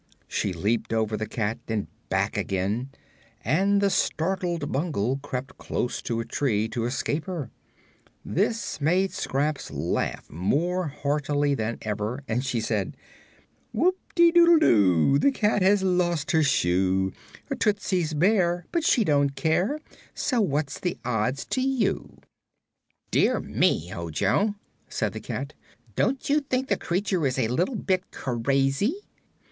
She leaped over the cat and back again, and the startled Bungle crept close to a tree to escape her. This made Scraps laugh more heartily than ever, and she said: "Whoop te doodle doo! The cat has lost her shoe. Her tootsie's bare, but she don't care, So what's the odds to you?" "Dear me, Ojo," said the cat; "don't you think the creature is a little bit crazy?"